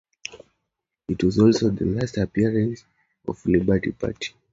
It was also the last appearance of the Liberty Party.